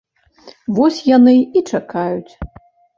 Вось яны і чакаюць.